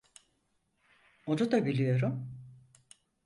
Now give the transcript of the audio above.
Onu da biliyorum.